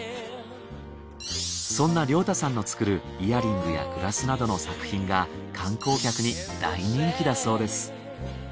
そんな亮太さんの作るイヤリングやグラスなどの作品が観光客に大人気だそうです。